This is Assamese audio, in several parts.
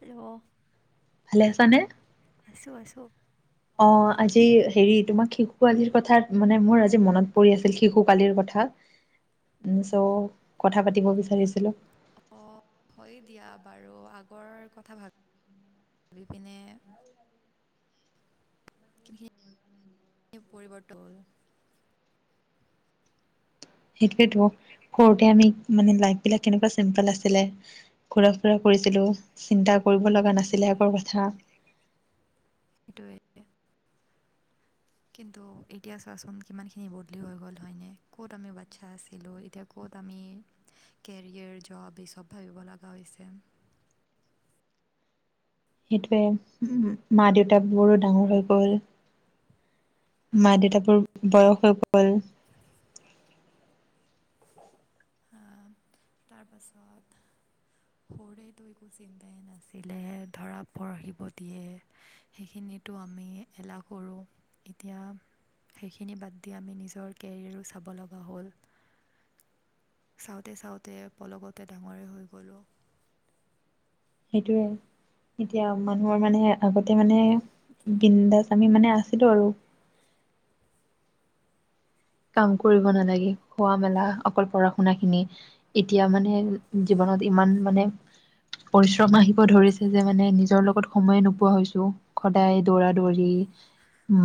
হেল্ল' হেল্ল' ভালে আছানে? অ'! অ'! আজি হেৰি তোমাক শিশু আজিৰ কথাৰ মানে মোৰ আজি মনত পৰি আছিল শিশু পালিৰ কথা। উম, চ' কথা পাতিব বিচাৰিছিলে। অ'! হয় দিয়া বাৰু আগৰ কথা ভাবি ভাবি পিনে। পৰিৱৰ্তন হ'ল। সেইটোৱেতো, সৰুতে আমি মানে লাইফ বিলাক কেনেকুৱা চিম্পল আছিলে। ঘুৰা ফুৰা কৰিছিলোঁ, চিন্তা কৰিব লগা নাছিলে, আগৰ কথা। সেইটোৱেইে। কিন্তু, এতিয়া চোৱাচোন কিমানখিনি বদলি হৈ গ'ল হয়নে? ক'ত আমি বাচ্ছা আছিলোঁ। এতিয়া ক'ত আমি কেৰিয়াৰ, জব, এই চব ভাবিব লগা হৈছে। সেইটোৱে, মা দেউতা বোৰো ডাঙৰ হৈ গ'ল। মা হা দেউতা বোৰ বয়স হৈ গ'ল। তাৰপাছত সৰুতেটো একো চিন্তাই নাছিলে, ধৰা পঢ়িব দিয়ে। সেইখিনিতো আমি এলাহ কৰোঁ, এতিয়া সেইখিনি বাদ দি আমি নিজৰ কেৰিয়াৰো চাব লগা হ'ল। চাওঁতে, চাওঁতে পলকতে ডাঙৰে হৈ গ'লোঁ। সেইটোৱে, এতিয়া মানুহৰ মানে আগতে মানে বিন্দাছ আমি মানে আছিলোঁ আৰু। কাম কৰিব নালাগে। খোৱা মেলা অকল পঢ়া শুনা খিনি এতিয়া মানে, জীৱনত ইমান মানে পৰিশ্ৰম আহিব ধৰিছে যে মানে, নিজৰ লগত সময় নোপোৱা হৈছো। সদায় দৌৰা-দৌৰি,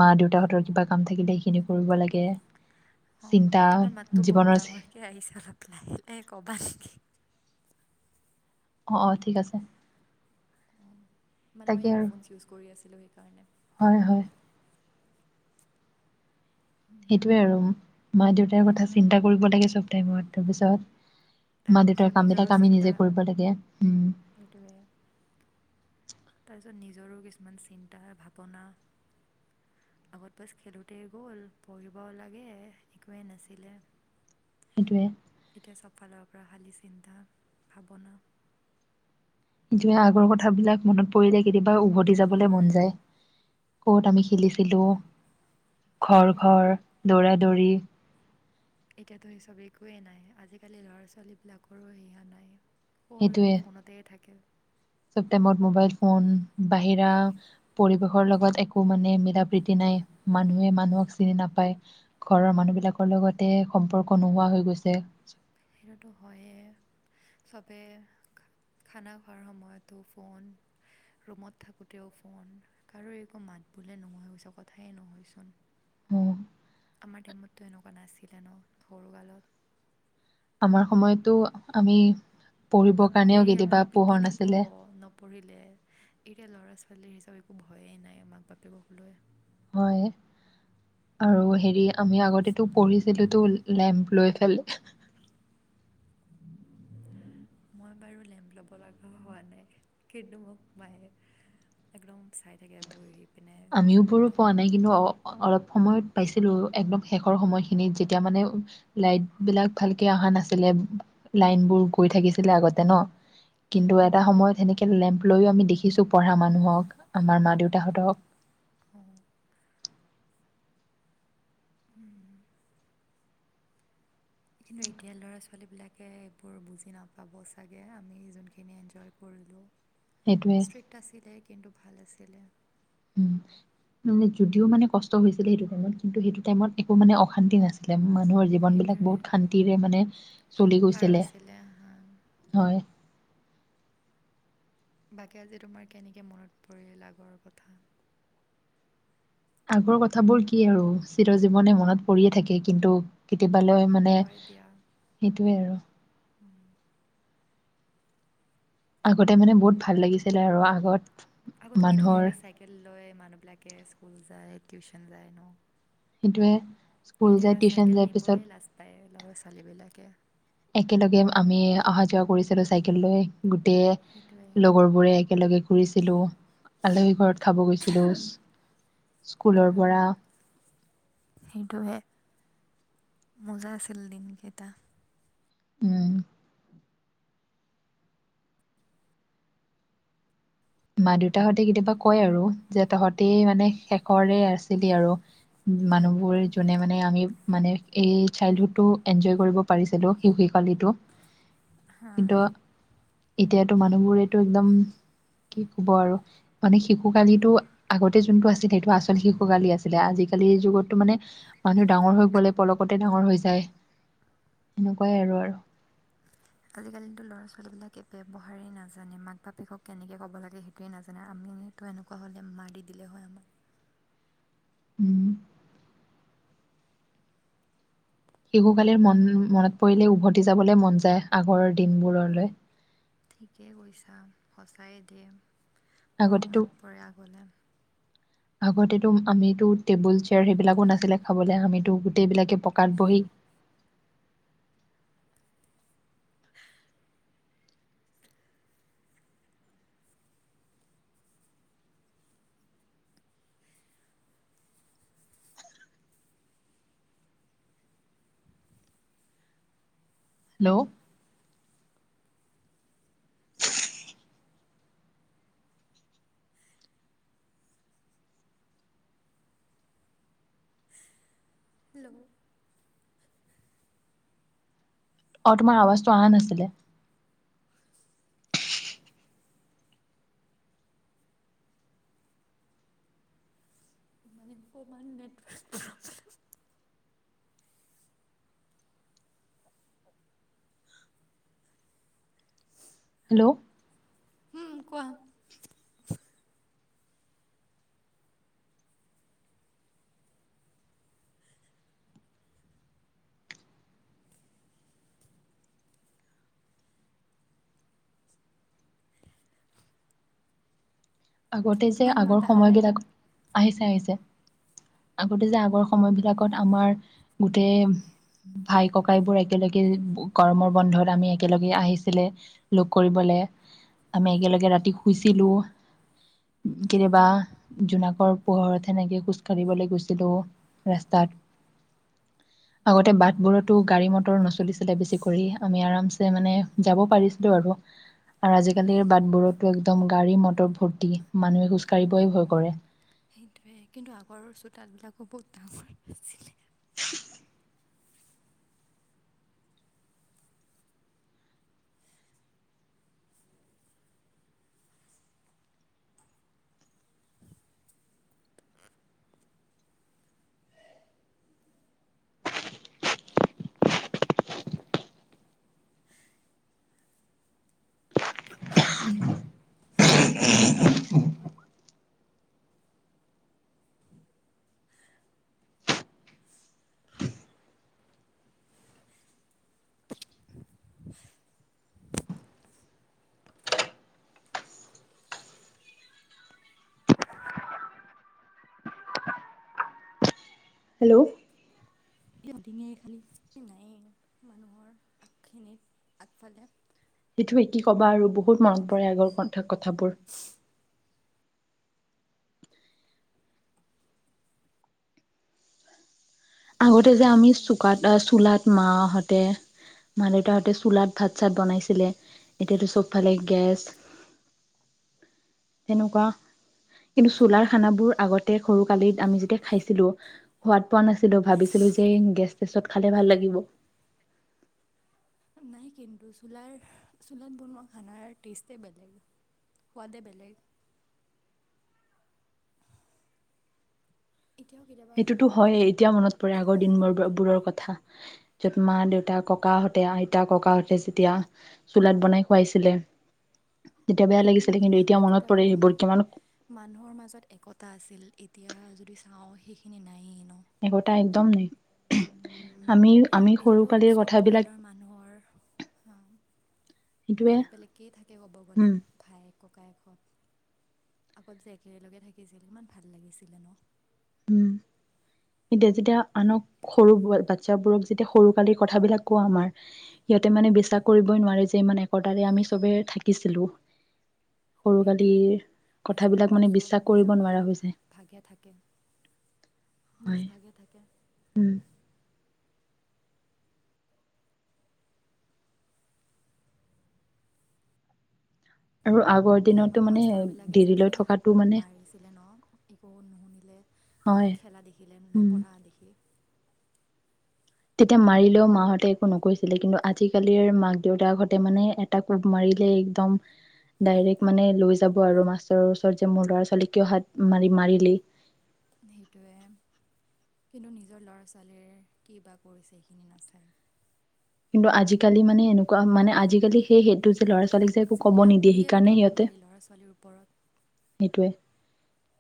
মা দেউতাহঁতৰ কিবা কাম থাকিলে সেইখিনি কৰিব লাগে। অ'! চিন্তা তোমাৰ মাততো বহুত জীৱনৰ ডাঙৰকে আহিছে অলপ, লাহেকে ক'বা নেকি? অ'! অ'! ঠিক আছে। অঁ মানে মই, তাকে আৰু ইয়েৰফোনছ ইউজ কৰি আছিলোঁ সেইকাৰণে। হয় হয় সেইটোৱে আৰু মা দেউতাৰ কথা চিন্তা কৰিব লাগে চব টাইমত। তাৰপিছত মা দেউতাৰ তাৰপিছত নিজৰো কামবিলাক আমি চিন্তা নিজে কৰিব লাগে। হুম! সেইটোৱে তাৰপিছত নিজৰো কিছুমান চিন্তা ভাৱনা, আগত বাছ খেলোঁতে গ'ল পঢ়িব লাগে একোৱেই নাছিলে। সেইটোৱে এতিয়া চবফালৰ পৰা খালি চিন্তা ভাৱনা। এতিয়া আগৰ কথাবিলাক মনত পৰিলে কেতিয়াবা উভতি যাবলৈ মন যায়। ক'ত আমি খেলিছিলোঁ। ঘৰ, সেইটোৱে ঘৰ দৌৰা দৌৰি। এতিয়াতো চব একোৱেই নাই। আজিকালি ল'ৰা ছোৱালীবিলাকৰো সেয়া নাই। অকল সেইটোৱে সিহঁতি ফোনতে থাকে। চব টাইমত মোবাইল ফোন, বাহিৰা পৰিবেশৰ লগত একো মানে মিলা প্ৰীতি নাই, মানুহে মানুহক চিনি নাপায়, ঘৰৰ মানুহ বিলাকৰ লগতে সম্পৰ্ক নোহোৱা হৈ গৈছে। সেইতোটো হৈয়ে। চবে খানা খোৱাৰ সময়তো ফোন, ৰুমত থাকোঁতেও ফোন, কাৰো একো মাত বোলে নোহোৱা হৈ গৈছে কথায়ে নহয়চোন। উম, আমাৰ টাইমত তো এনেকুৱা নাছিলে ন সৰুকালত। আমাৰ সময়তো আমি পঢ়িবৰ বাপৰে কাৰণেও কেতিয়াবা আমাক পোহৰ পিটি দিব নাছিলে নপঢ়িলে। এতিয়া ল'ৰা ছোৱালীৰ হিচাপে একো ভয়ে নাই মাক বাপেক সকলোৱে হয় আৰু হেৰি আমি আগতেতো পঢ়িছিলো তো লেম্প লৈ পেলাই। মই বাৰু লেম্প ল'ব লগা হোৱা নাই, কিন্তু মোক মায়ে একদম চাই থাকে বহি। পিনে আমিও বোৰো কাষতে পোৱা নাই কিন্তু অ-অলপ সময়ত পাইছিলো একদম শেষৰ সময়খিনিত যেতিয়া মানে লাইট বিলাক ভালকে অহা নাছিলে, লাইন বোৰ গৈ থাকিছিলে আগতে ন। কিন্তু এটা অঁ সময়ত সেনেকে লেম্প লৈও আমি দেখিছো পঢ়া মানুহক আমাৰ মা-দেউতাহঁতক। উম। উম। কিন্তু এতিয়া ল'ৰা ছোৱালীবিলাকে এইবোৰ বুজি নাপাব চাগে আমি যোনখিনি এনজয় সেইটোৱে কৰিলোঁ। ষ্ট্ৰিক্ট আছিলে কিন্তু ভাল আছিল। [unintelligible] উম, মানে যদিও মানে কষ্ট হৈছিলে সেইটো টাইমত, কিন্তু সেইটো টাইমত একো মানে অশান্তি নাছিলে। মানুহৰ জীৱন বিলাক সেইটোৱে বহুত শান্তিৰে মানে চলি পাৰ গৈছিলে। হৈছিলে হা হয়। বাকী আজি তোমাৰ কেনেকে মনত পৰিল আগৰ কথা। আগৰ কথাবোৰ কি আৰু চিৰ জীৱনে মনত পৰিয়ে থাকে কিন্তু কে তিবালৈ মানে হয় দিয়া সেইটোয়ে আৰু আগতে মানে বহুত ভাল লাগিছিলে আৰু আগত। আগত কি মানুহৰ ধুনীয়াকে চাইকেল লয় মানুহ বিলাকে স্কুল যায় টিউশন যায় ন? সেইটোৱে। স্কুল এতিয়া যায় টিউচন চাইকেল যায় নিবয়ে পিছত লাজ পাই। ল'ৰা ছোৱালীবিলাকে। একেলগে আমি অহা যোৱা কৰিছিলো চাইকেল লৈ। সেইটোৱে গোটেই লগৰ বোৰে একেলগে। ফুৰিছিলোঁ। আলহী ঘৰত খাব গৈছিলো, স্কুলৰ পৰা। সেইটোৱে মজা আছিল দিনকেটা। উম। মা দেউতাহঁতে কেতিয়াবা কয় আৰু যে তহঁতে মানে শেষৰে আছিলি আৰু। মানুহবোৰ জোনে মানে আমি। মানে এই চাইল্ডহুড টো এনজয় কৰিব পাৰিছিলো শিশু কালিটো। কিন্তু এতিয়াতো মানুহবোৰেটো একদম। কি কব আৰু মানে শিশু কালিটো আগতে যোনটো আছিলে, সেইটো আচল শিশু কালি আছিলে, আজিকালিৰ যুগতো মানে মানুহ ডাঙৰ হৈ গ'লে পলকতে ডাঙৰ হৈ যায়। এনেকুৱাই আৰু, আৰু। আজিকালিতো ল'ৰা ছোৱালীবিলাকে ব্যৱহাৰেই নাজানে। মাক বাপেকক কেনেকে ক'ব লাগে সেইটোৱে নাজানে আমিতো এনেকুৱা হ'লে মাৰি দিলে হয় আমাক। উম। শিশু কালিৰ মন মনত পৰিলে উভতি যাবলৈ মন যায় আগৰ দিনবোৰলৈ। ঠিকেই কৈছা সঁচাই দিম। বৰ আগতেতো মনত পৰে আগলৈ। আগতেতো আমিতো টেবুল চেয়াৰ সেইবিলাকো নাছিলে খাবলৈ আমিতো গোটেইবিলাকে পকাত বহি হেল্ল'। [inaudible] হেল্ল'। অ', তোমাৰ আৱাজটো অহা নাছিলে। মোৰ মানে অকণমান নেটৰ্ক্ হেল্ল'। পোৱা [inaudible] আগতে যে তোমাৰ মাত আগৰ অহা নাই সময়বিলাক। আহিছে, আহিছে আগতে যে আগৰ সময়বিলাকত আমাৰ গোটেই ভাই ককাইবোৰ একেলগে গৰমৰ বন্ধত আমি একেলগে আহিছিলে লগ কৰিবলে আমি একেলগে ৰাতি শুইছিলো। কেতিয়াবা জোনাকৰ পোহৰত সেনেকে খোজ কঢ়িবলৈ গৈছিলো ৰাস্তাত। আগতে বাটবোৰতো গাড়ী মটৰ নচলিছিলে বেছি কৰি আমি আৰামছে মানে যাব পাৰিছিলো আৰু, আৰু আজিকালিৰ বাটবোৰো একদম গাড়ী মটৰ ভৰ মানুহে খোজ কাঢ়িবই ভয় কৰে। সেইটোৱে কিন্তু আগৰৰ চোতাল বিলাকো বহুত ডাঙৰ আছিলে। [inaudible] হেল্ল'। ডিঙিৰ খালী নায়েই মানুহৰ আগখিনিত আগফালে। কি ক'বা আৰু বহুত মনত পৰে আগৰ কথা। কথাবোৰ। আগতে যে আমি তাকে চোকাত আ চোুলাত মাহঁতে, মা-দেউতাহঁতে চোলাত ভাত-চাত বনাইছিলে এতিয়াতো চব ফালে গেছ সেনেকুৱা কিন্তু চোলাৰ খানা বোৰ আগতে সৰু কালিত আমি যেতিয়া খাইছিলো সোৱাদ পোৱা নাছিল লো ভাবিছিলো যে গেছ চেছত খালে ভাল লাগিব। নাই কিন্তু চোলাৰ চোলাত বনোৱা খানাৰ টেষ্টেই বেলেগ, সোৱাদে বেলেগ। এতিয়াও কেতিয়াবা সেইটোতো হয়েই এতিয়াও মনত পৰে আগৰ দিন বোৰ বোৰৰ কথা। য'ত মা দেউতা ককাহঁতে আইতা ককাহঁতে যেতিয়া চোলাত বনাই খুৱাইছিলে। তেতিয়া বেয়া কিন্তু লাগিছিলে এতিয়া মনত আগত পৰে আকৌ সেইবোৰ কিমান মানুহৰ মাজত একতা আছিল এত এতিয়া যদি চাওঁ সেইখিনি নায়েই ন? একতা একদম নাই। আমি আমি সৰু এতিয়াতো কালিৰ সব কথাবিলাক পৰিয়ালৰ মানুহৰ সেইটোৱে বেলেগ বেলেগকেই থাকে ক'ব গ'লে। উম, ভায়েক ককায়েকহত আগত যে একেলগে থাকিছিল ইমান ভাল লাগিছিলে ন। উম। এতিয়া যেতিয়া আনক সৰু বাচ্ছাবোৰক যেতিয়া সৰু কালিৰ কথাবিলাক কোৱা আমাৰ সিহঁতে মানে বিশ্বাস কৰিবই নোৱাৰে যে ইমান একতাৰে আমি সবে থাকিছিলো। সৰু সেইটোৱে কালিৰ কথাবিলাক আজিকালিতো মানে সব বিশ্বাস কৰিব নিজৰ নোৱাৰা নিজৰ হৈ যায়। ভাগে থাকে। হয়। নিজভাগে থাকে। উম, আৰু আগৰ এই দিনতো আমাক মানে মাষ্টৰবিলাকে যে দেৰিলৈ কেনেকৈ থকাটো হাতত মানে মাৰিছিলে ন একো নুশুনিলে বা হয় আমাক খেলা দেখিলে উম। নপঢ়া দেখি? তেতিয়া মাৰিলেও মাহঁতে একো নকৈছিলে কিন্তু আজিকালিৰ মাক দেউতাকহতে মানে এটা কোব মাৰিলে একদম ডাইৰেক্ট মানে লৈ যাব আৰু মাষ্টৰৰ ওচৰত যে মোৰ ল'ৰা ছোৱালী কিয় হাত মাৰি মাৰিলি। সেইটোৱে কিন্তু নিজৰ ল'ৰা ছোৱালীয়ে কি বা কৰিছে সেইখিনি নাচায়। কিন্তু আজিকালি মানে এনেকুৱা মানে আজিকালি সেই সেইটো যুনটো ল'ৰা ছোৱালীক যে একো আজিকালি কব নিদিয়ে আঙুলিয়ে সেইকাৰণে উঠাব সিহঁতে, নোৱাৰি ল'ৰা ছোৱালীৰ ওপৰত সেইটোৱে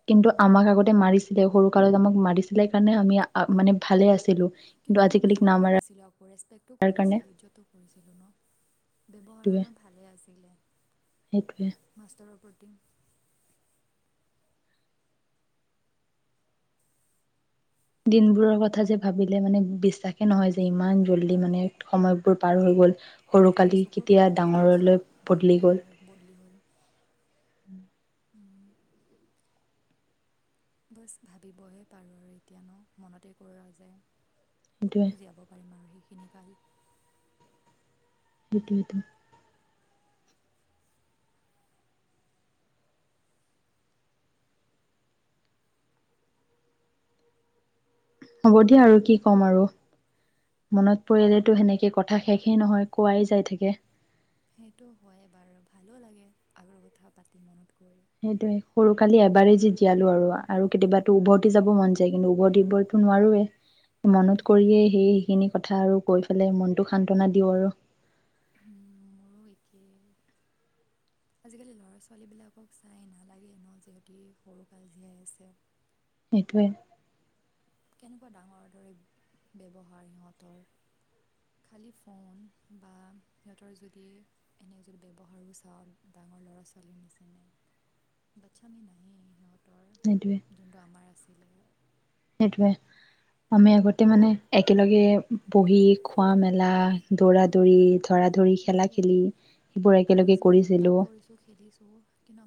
কিন্তু উম, আমাক আগতে মাৰিছিলে সৰু কালত আমাক মাৰিছিলে কাৰণে আমি মানে ভালে আছিলোঁ। কিন্তু আমি বেয়াও পোৱা নাছিলো আকৌ ৰেস্পে টো কাৰণে কৰিছিলোঁ ইজ্জটো কৰিছিলোঁ ন? ব্যৱহাৰো সেইটোৱে আমাৰ ভালে আছিলে। সেইটোৱে মাষ্টৰৰ ওপৰত [unintelligible] দিনবোৰৰ কথা যে ভাবিলে মানে বিশ্বাসে নহয় যে ইমান জল্দি মানে সময়বোৰ পাৰ হৈ গ'ল। সৰু সেইটোৱে কালি চকুৰ কেতিয়া পলকতে ডাঙৰলৈ চব সেয়া হ'ল বদলি হ'ল। উম। বছ ভাবিবহে পাৰোঁ আৰু এতিয়া ন মনতে কৰোৱা যায়। সেইটোৱে কতনো জীয়াব পাৰিম আৰু সি খিনি কাল সেইটোৱে সেইটোৱে। হ'ব দিয়া, আৰু কি ক'ম আৰু মনত পৰিলেতো সেনেকে কথা শেষেই নহয় কোৱাই যাই থাকে। সেইটো হয় বাৰু ভালো লাগে আগৰ কথা পাতি মনত গৈ সেইটোয়ে, সৰু কালি এবাৰেজি জীয়ালো আৰু আৰু কেতিয়াবাতো উভতি যাব মন যায় কিন্তু উভতিবতো নোৱাৰোৱেই। মনত সেইটোৱে কৰিয়েই সেইখিনি কথা আৰু কৈ লে মনটো সান্তনা দিওঁ আৰু। মোৰো একেই। আজিকালি ল'ৰা ছোৱালীবিলাকক চাই নালাগে ন যিহতি সৰু কাল জীয়াই আছে। সেইটোৱে। কেনেকুৱা ডাঙৰ দৰে ব্যৱহাৰ সিহঁতৰ, খালী ফোন বা সিহঁতৰ যদি এনে যদি ব্যৱহাৰো চাওঁ ডাঙৰ ল'ৰা ছোৱালীৰ নিচিনা বাচ্ছামি নায়েই সিহঁত হতৰ সেইটোৱে জোনটো আমাৰ আছিলে। সেইটোৱে আমি আগতে মানে একেলগে বহি খোৱা-মেলা দৌৰা-দৌৰি ধৰা-ধৰি সেইটোৱে খেলা-খেলি সেইবোৰ আমি একেলগে যিমান উৎপাত কৰিছিলো। কৰিছোঁ খেলিছোঁ কিন্তু